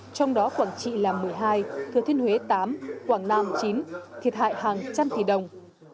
trong đó quảng trị là một mươi hai thừa thiên huế tám quảng nam chín thiệt hại hàng trăm tỷ đồng